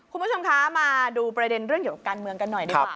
คุณผู้ชมคะมาดูประเด็นเรื่องเกี่ยวกับการเมืองกันหน่อยดีกว่า